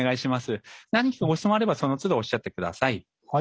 何かご質問があればそのつどおっしゃってください。